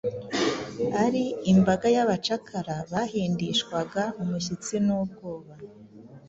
ari imbaga y’abacakara bahindishwaga umushyitsi n’ubwoba,